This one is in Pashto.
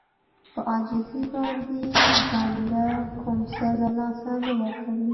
په عاجزي باندې بنده کوم څه له لاسه نه ورکوي.